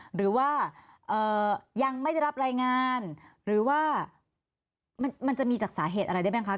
หรือว่ายังไม่ได้รับรายงานหรือว่ามันจะมีจากสาเหตุอะไรได้ไหมคะ